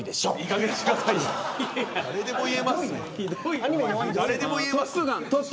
誰でも言えますよ。